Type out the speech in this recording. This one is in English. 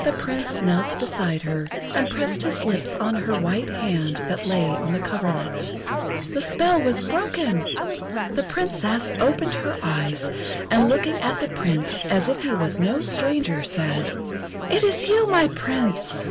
The Prince knelt beside her, and pressed his lips on her white hand that lay on the coverlet. The spell was broken! The Princess opened her eyes, and, looking at the Prince as if he was no stranger, said: "Is it you, my Prince!